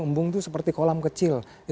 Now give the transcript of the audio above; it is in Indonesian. embung itu seperti kolam kecil